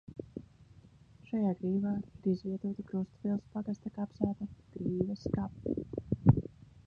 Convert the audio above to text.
Šajā grīvā ir izvietota Krustpils pagasta kapsēta – Grīvas kapi.